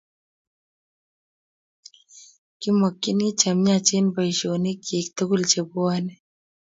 Kimakchini chemiach eng boishonik chik tukul chebwoni